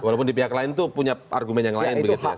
walaupun di pihak lain itu punya argumen yang lain begitu